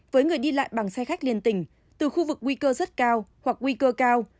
với người đi lại bằng xe khách liên tình từ khu vực nguy cơ rất cao hoặc nguy cơ cao